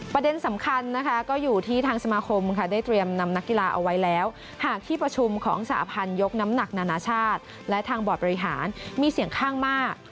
ประเด็นสำคัญนะคะก็อยู่ที่ทางสมาคมค่ะได้เตรียมนำนักกีฬาเอาไว้แล้วหากที่ประชุมของสหพันธ์ยกน้ำหนักนานาชาติและทางบอร์ดบริหารมีเสียงข้างมาก